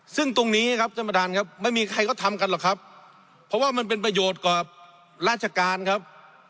ซึ่งตรงนี้ครับท่านประธานครับไม่มีใครเขาทำกันหรอกครับเพราะว่ามันเป็นประโยชน์กับราชการครับ